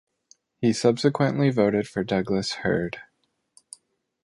He subsequently voted for Douglas Hurd.